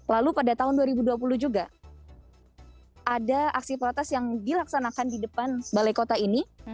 lalu pada tahun dua ribu dua puluh juga ada aksi protes yang dilaksanakan di depan balai kota ini